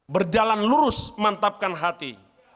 berjalan lurus mantapkan hati